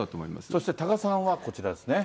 そして多賀さんはこちらですね。